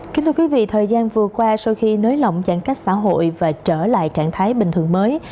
kính thưa quý vị thời gian vừa qua sau khi nới lỏng giãn cách xã hội và trở lại trạng thái bình thường mới